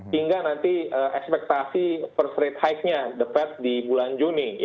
hingga nanti ekspektasi first rate high nya the fed di bulan juni